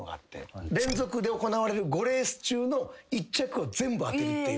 連続で行われる５レース中の１着を全部当てるっていう。